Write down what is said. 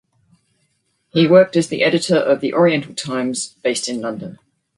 He worked as the editor of The Oriental Times based in London.